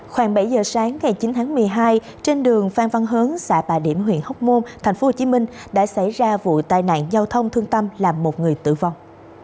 khoảng bảy giờ sáng ngày chín tháng một mươi hai trên đường phan văn hớn xã bà điểm huyện hóc môn tp hcm đã xảy ra vụ tai nạn giao thông thương tâm làm một người tử vong